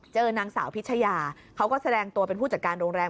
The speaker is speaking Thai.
เจอนางสาวพิชยาเขาก็แสดงตัวเป็นผู้จัดการโรงแรม